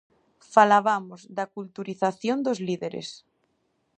Falabamos da culturización dos líderes.